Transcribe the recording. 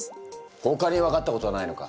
ほかに分かったことはないのか？